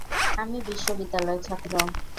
আমি বিশ্ববিদ্যালয়ের ছাত্র।